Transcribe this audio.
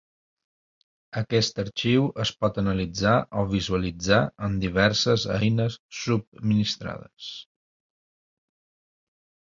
Aquest arxiu es pot analitzar o visualitzar amb diverses eines subministrades.